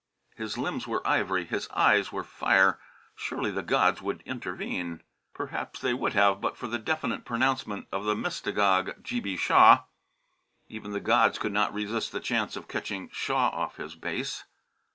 His limbs were ivory, his eyes were fire; surely the gods would intervene! Perhaps they would have but for the definite pronouncement of the mystagogue G.B. Shaw. Even the gods could not resist the chance of catching Shaw off his base.